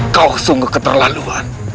kau sungguh keterlaluan